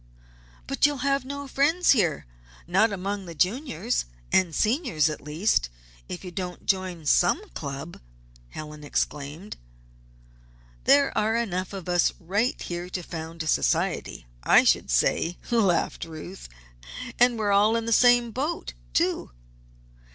"But you'll have no friends here not among the Juniors and Seniors, at least if you don't join some club!" Helen exclaimed. "There are enough of us right here to found a society, I should say," laughed Ruth. "And we're all in the same boat, too."